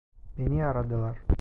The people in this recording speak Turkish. Beni aradılar.